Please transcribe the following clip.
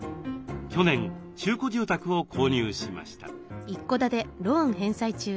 去年中古住宅を購入しました。